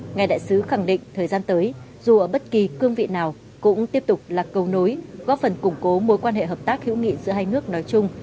ngài đại sứ khẳng định thời gian tới dù ở bất kỳ cương vị nào cũng tiếp tục là cầu nối góp phần củng cố mối quan hệ hợp tác hữu nghị giữa hai nước nói chung